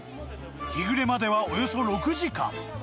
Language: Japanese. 日暮れまではおよそ６時間。